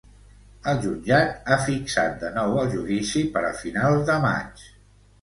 El jutjat ha fixat de nou el judici per a finals de maig.